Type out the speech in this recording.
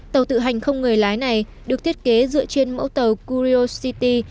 tàu tự hành không người lái này được thiết kế dựa trên mẫu tàu curiosity